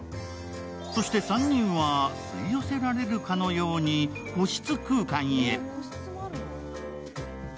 ３人は吸いよせられるかのように個室空間へ。